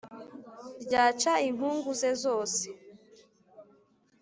ryaca inkungu ze zose